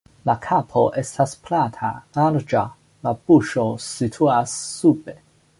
La kapo estas plata, larĝa, la buŝo situas sube.